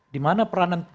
di mana peranan